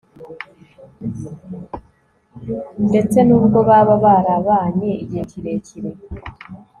ndetse nubwo baba barabanye igihe kirekire